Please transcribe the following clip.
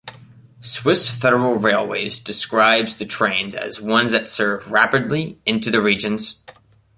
Swiss Federal Railways describes the trains as ones that serve "rapidly into the regions".